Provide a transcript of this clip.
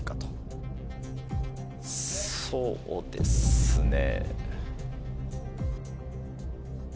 そうですね。